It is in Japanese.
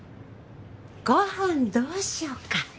ご飯どうしようか？